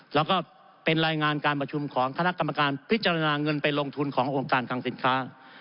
แล้วก็เป็นรายงานการประชุมของคณะกรรมการพิจารณาเงินไปลงทุนขององค์การคังสินค้า